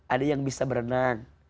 ada yang bisa berenang